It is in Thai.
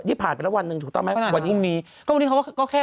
ผ่านไปแล้ววันหนึ่งถูกต้องไหมวันนี้มีก็วันนี้เขาก็ก็แค่